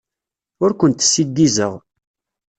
Ur kent-ssiggizeɣ.